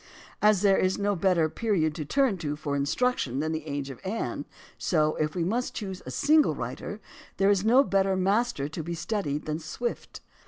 As there is no better period to turn to for instruc tion than the age of Anne, so, if we must choose a single writer, there is no better master to be studied than Swift.